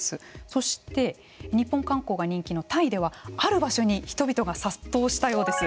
そして日本観光が人気のタイではある場所に人々が殺到したようです。